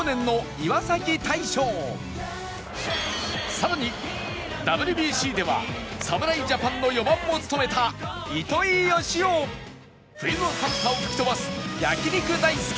さらに ＷＢＣ では侍ジャパンの４番も務めた糸井嘉男冬の寒さを吹き飛ばす焼肉大好き！